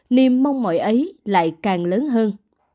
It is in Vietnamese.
niềm mong mỏi ấy lại càng lớn hơn